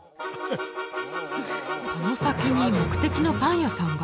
この先に目的のパン屋さんが？